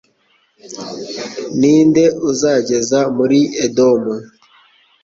Ni nde uzangeza muri Edomu?